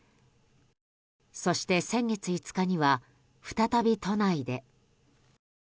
そして先月５日には再び都内で。